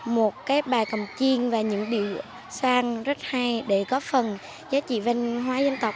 một bài cồng chiêng và những điệu soan rất hay để có phần giá trị văn hóa dân tộc